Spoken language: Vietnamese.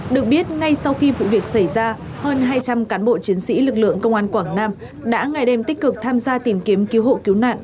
được biết ngay sau khi vụ việc xảy ra hơn hai trăm linh cán bộ chiến sĩ lực lượng công an quảng nam đã ngày đêm tích cực tham gia tìm kiếm cứu hộ cứu nạn